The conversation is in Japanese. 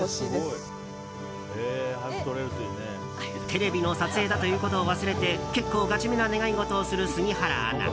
テレビの撮影だということを忘れて結構ガチめな願い事をする杉原アナ。